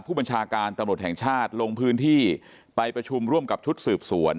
ผู้บัญชาการตำรวจแห่งชาติลงพื้นที่ไปประชุมร่วมกับชุดสืบสวน